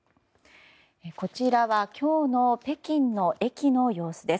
こちらは今日の北京の駅の様子です。